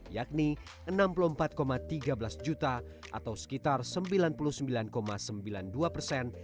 yakni enam puluh empat tiga belas juta atau sekitar sembilan puluh sembilan sembilan puluh dua persen